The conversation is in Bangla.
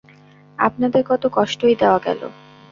আপনাদের কত কষ্টই দেওয়া গেল!